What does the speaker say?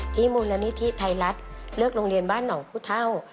มูลนิธิไทยรัฐเลือกโรงเรียนบ้านหนองผู้เท่า